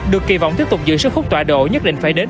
được kỳ vọng tiếp tục giữ sức hút tọa độ nhất định phải đến